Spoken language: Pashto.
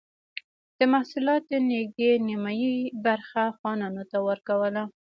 د محصولاتو نږدې نییمه برخه خانانو ته ورکوله.